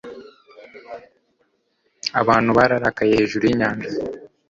Abantu bararakaye hejuru yinyanja